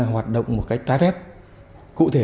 hoạt động một cách trái phép cụ thể